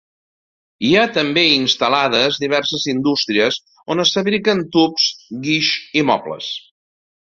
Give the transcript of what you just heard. Hi ha també instal·lades diverses indústries on es fabriquen tubs, guix i mobles.